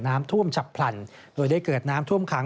น้ำท่วมฉับพลันโดยได้เกิดน้ำท่วมขัง